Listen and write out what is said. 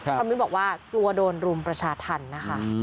เพราะมิ้นบอกว่ากลัวโดนรุมประชาธรรมนะคะ